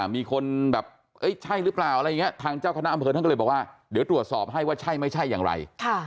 มีคนแบบเอ้ยใช่หรือเปล่าอะไรอย่างนี้ทางเจ้าคณะอำเภอท่านก็เลยบอกว่าเดี๋ยวตรวจสอบให้ว่าใช่ไม่ใช่อย่างไร